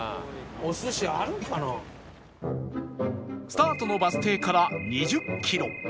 スタートのバス停から２０キロ